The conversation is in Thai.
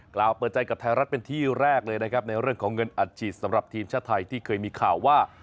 กล่าวเปิดใจกับไทยรัฐเป็นที่แรกเลยนะครับในเรื่องของเงินอัดฉีดสำหรับทีมชาติไทยที่เคยมีข่าวว่า